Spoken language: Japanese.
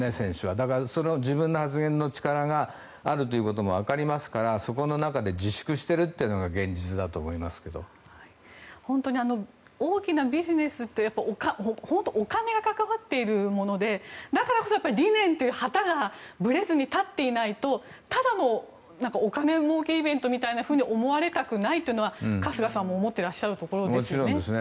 だからその自分の発言の力があるということもわかりますからそこの中で自粛しているのが本当に大きなビジネスってお金が関わっているものでだからこそ理念という旗がぶれずに立っていないとただのお金もうけイベントみたいなふうに思われたくないというのは春日さんも思っているところですよね。